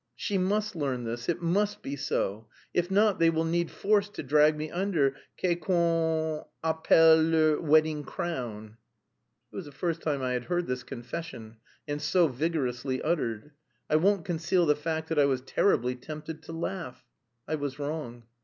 She must learn this, it must be so, if not they will need force to drag me under ce qu'on appelle le wedding crown." It was the first time I had heard this confession, and so vigorously uttered. I won't conceal the fact that I was terribly tempted to laugh. I was wrong.